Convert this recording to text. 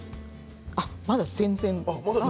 まだ全然。